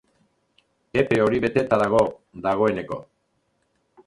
Epe hori beteta dago, dagoeneko.